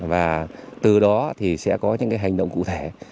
và từ đó thì sẽ có những hành động cụ thể